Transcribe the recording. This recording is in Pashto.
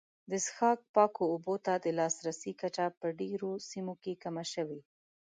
د څښاک پاکو اوبو ته د لاسرسي کچه په ډېرو سیمو کې کمه شوې.